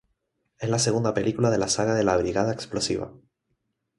Es la segunda película de la saga de la "Brigada explosiva".